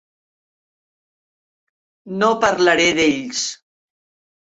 No parlaré d'ells.